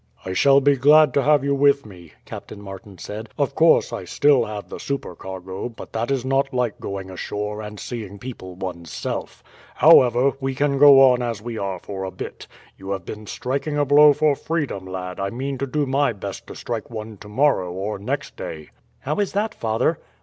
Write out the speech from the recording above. "I shall be glad to have you with me," Captain Martin said. "Of course I still have the supercargo, but that is not like going ashore and seeing people one's self. However, we can go on as we are for a bit. You have been striking a blow for freedom, lad, I mean to do my best to strike one tomorrow or next day." "How is that, father?"